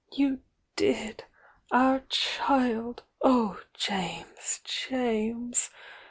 You did!— Our child! Oh, James, James!